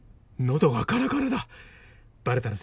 喉がカラカラだ。